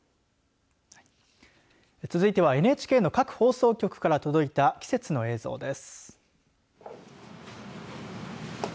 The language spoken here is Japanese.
続いては、ＮＨＫの各放送局から届いた季節の映像です。